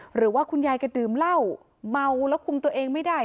หรือว่าคุณยายแกดื่มเหล้าเมาแล้วคุมตัวเองไม่ได้